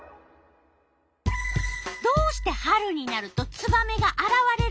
どうして春になるとツバメがあらわれるのか。